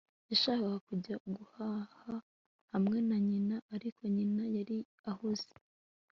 yashakaga kujya guhaha hamwe na nyina, ariko nyina yari ahuze